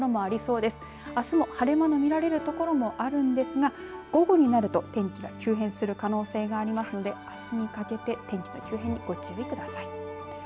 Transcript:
あすも晴れ間の見られる所もあるんですが午後になると、天気が急変する可能性がありますのであすにかけて天気の急変にご注意ください。